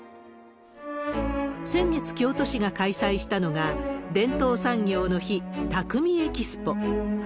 先月、京都市が開催したのが、伝統産業の日・匠エキスポ。